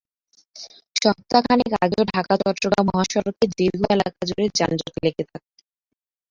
সপ্তাহ খানেক আগেও ঢাকা চট্টগ্রাম মহাসড়কে দীর্ঘ এলাকাজুড়ে যানজট লেগে থাকত।